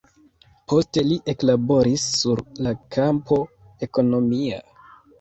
Poste li eklaboris sur la kampo ekonomia.